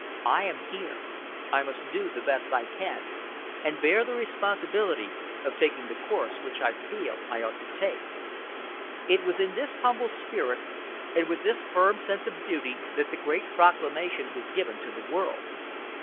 I am here; I must do the best I can, and bear the responsibility of taking the course which I feel I ought to take." It was in this humble spirit, and with this firm sense of duty that the great proclamation was given to the world.